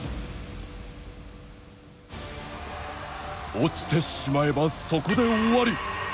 落ちてしまえば、そこで終わり。